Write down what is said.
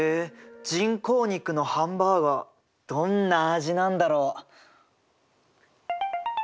人工肉のハンバーガーどんな味なんだろう。